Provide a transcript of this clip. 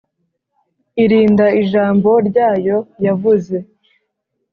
Irinda ijambo ryayo yavuze